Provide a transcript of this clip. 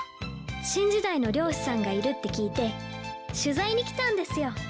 新時代の漁師さんがいるって聞いて取材に来たんですよ。